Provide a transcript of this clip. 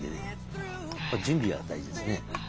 準備が大事ですね。